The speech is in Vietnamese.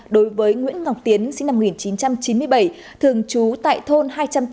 đối với nguyễn ngọc tiến sinh năm một nghìn chín trăm chín mươi bảy thường trú tại thôn hai trăm tám mươi